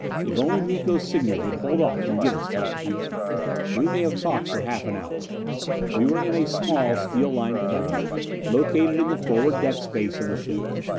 If only Miko's signals would hold off and give us time! We may have talked for half an hour. We were in a small, steel lined cubby, located in the forward deck space of the ship.